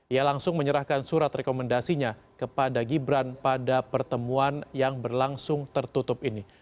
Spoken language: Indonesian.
ia langsung menyerahkan surat rekomendasinya kepada gibran pada pertemuan yang berlangsung tertutup ini